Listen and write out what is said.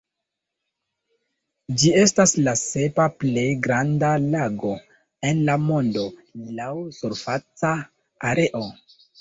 Ĝi estas la sepa plej granda lago en la mondo laŭ surfaca areo.